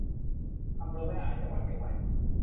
อำเภอแม่อาย จังหวัดเชียงใหม่